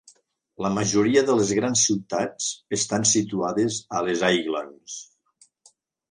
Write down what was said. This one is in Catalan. La majoria de les grans ciutats estan situades a les Highlands.